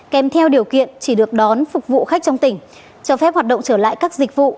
kèm theo điều kiện chỉ được đón phục vụ khách trong tỉnh cho phép hoạt động trở lại các dịch vụ